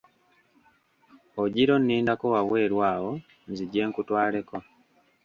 Ogira onnindako wabweru awo, nzije nkutwaleko.